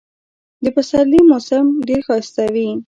د پسرلي موسم ډېر ښایسته وي.